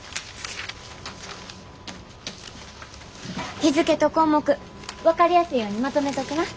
日付と項目分かりやすいようにまとめとくな。